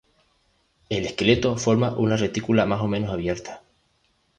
El esqueleto forma una retícula más o menos abierta.